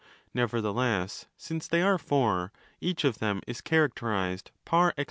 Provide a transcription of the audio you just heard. Nevertheless, since they are four, each of them is characterized par excellence 1 Cf.